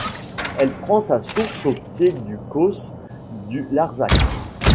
Elle prend sa source au pied du Causse du Larzac.